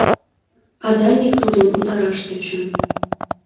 а Даник тудым утараш тӧчен.